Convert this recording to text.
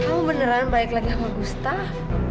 oh beneran balik lagi sama gustaf